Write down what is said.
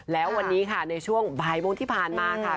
แล้ววันนี้ค่ะในช่วงบ่ายโมงที่ผ่านมาค่ะ